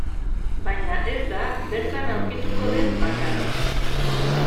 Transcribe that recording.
Baina ez da bertan aurkituko den bakarra.